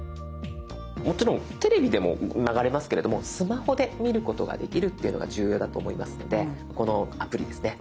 もちろんテレビでも流れますけれどもスマホで見ることができるというのが重要だと思いますのでこのアプリですね